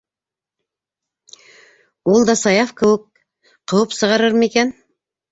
Ул да Саяф кеүек ҡыуып сығарыр микән?